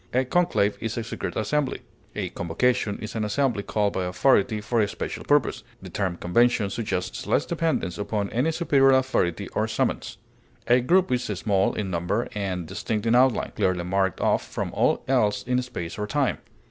A conclave is a secret assembly. A convocation is an assembly called by authority for a special purpose; the term convention suggests less dependence upon any superior authority or summons. A group is small in number and distinct in outline, clearly marked off from all else in space or time.